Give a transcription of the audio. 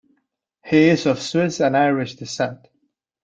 He is of Swiss and Irish descent.